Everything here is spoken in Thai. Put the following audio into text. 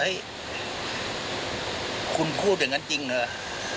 คุณพูดอย่างนั้นจริงเหรอ